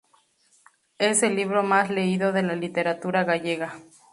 Es el libro más leído de la literatura gallega.